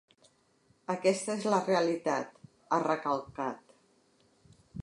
Aquesta és la realitat, ha recalcat.